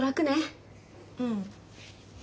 うん。